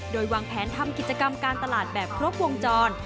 โดยวางแผนทำกิจกรรมการตลาดแบบครบวงจร